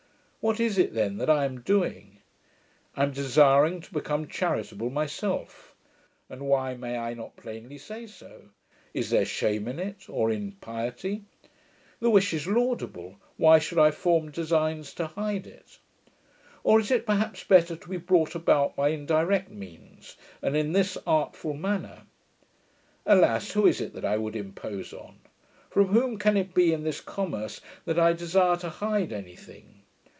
What is it then that I am doing? I am desiring to become charitable myself; and why may I not plainly say so? Is there shame in it, or impiety? The wish is laudable: why should I form designs to hide it? Or is it, perhaps, better to be brought about by indirect means, and in this artful manner? Alas! who is it that I would impose on? From whom can it be, in this commerce, that I desire to hide any thing?